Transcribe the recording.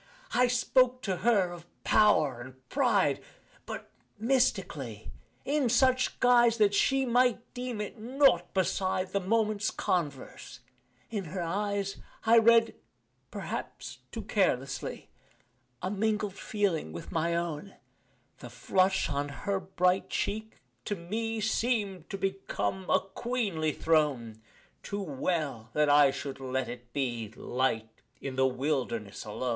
I spoke to her of power and pride, But mystically in such guise That she might deem it nought beside The moment's converse; in her eyes I read, perhaps too carelessly A mingled feeling with my own The flush on her bright cheek, to me Seem'd to become a queenly throne Too well that I should let it be Light in the wilderness alone.